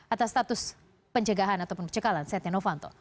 atas status pencegahan atau pencegahan setia novanto